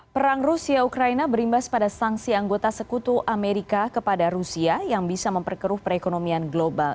perang rusia ukraina berimbas pada sanksi anggota sekutu amerika kepada rusia yang bisa memperkeruh perekonomian global